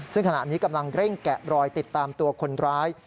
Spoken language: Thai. ซึ่งขณะนี้กำลังเร่งแกะรอยติดตามตัวคนร้าย